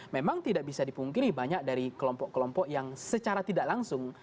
memang tidak bisa dipungkiri banyak dari kelompok kelompok yang secara tidak langsung